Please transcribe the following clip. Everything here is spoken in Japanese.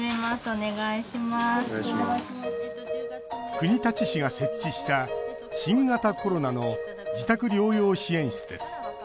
国立市が設置した新型コロナの自宅療養支援室です。